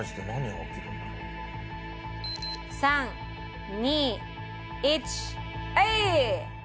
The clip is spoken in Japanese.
３２１はい！